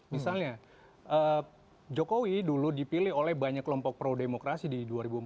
misalnya jokowi dulu dipilih oleh banyak kelompok pro demokrasi di dua ribu empat belas